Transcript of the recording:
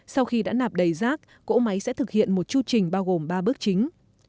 sau khi đã nạp đầy rác cỗ máy sẽ thực hiện một chưu trình bao gồm ba bước chính